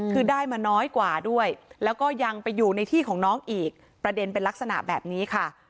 คือได้มาน้อยกว่าด้วยแล้วก็ยังไปอยู่ในที่ของน้องอีกประเด็นเป็นลักษณะแบบนี้ค่ะ